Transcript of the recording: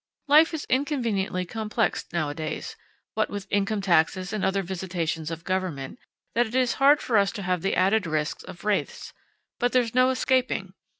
Life is so inconveniently complex nowadays, what with income taxes and other visitations of government, that it is hard for us to have the added risk of wraiths, but there's no escaping.